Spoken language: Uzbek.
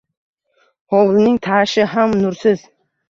Hovlining tashi ham nursiz.